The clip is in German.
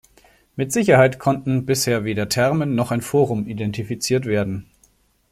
Mit Sicherheit konnten bisher weder Thermen, noch ein Forum identifiziert werden.